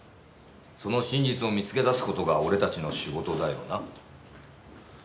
その真実を見つけ出す事が俺たちの仕事だよな。